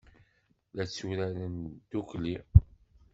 La tturaren ddukkli.